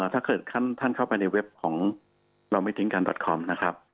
ถ้าเกิดท่านเข้าไปในเว็บของเราไม่ทิ้งการดอตคอมนะครับ